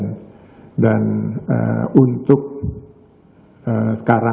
fruit bank indonesia memperkirakan